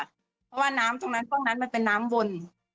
เพราะว่าน้ำตรงนั้นตรงนั้นมันเป็นน้ำวน